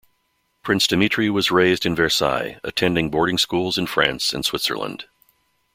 Prince Dimitri was raised in Versailles, attending boarding schools in France and Switzerland.